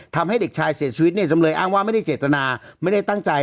ทำให้เด็กชายเสียชีวิตเนี่ยจำเลยอ้างว่าไม่ได้เจตนาไม่ได้ตั้งใจ